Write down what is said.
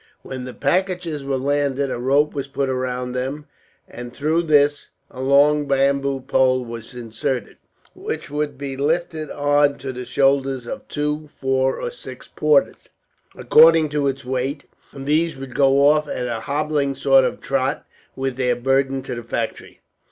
When the packages were landed a rope was put round them, and through this a long bamboo pole was inserted, which would be lifted on to the shoulders of two, four, or six porters, according to its weight; and these would go off, at a hobbling sort of trot, with their burden to the factory.